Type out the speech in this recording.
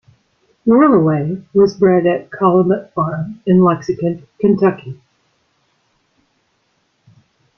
Whirlaway was bred at Calumet Farm in Lexington, Kentucky.